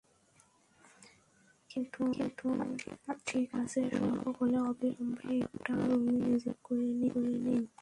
ঠিক আছে, সম্ভব হলে, অবিলম্বে একটা রুমে নিজেকে লক করে নিন।